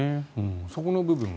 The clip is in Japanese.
そこの部分は。